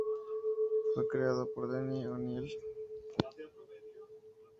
Fue creado por Denny O'Neil.